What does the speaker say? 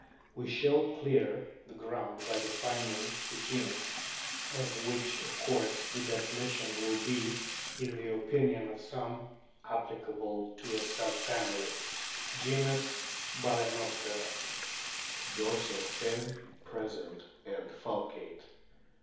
We shall clear the ground by defining this genus, of which of course the definition will be, in the opinion of some, applicable to a sub family. GENUS, BAL^ENOPTERA Dorsal fin present and falcate.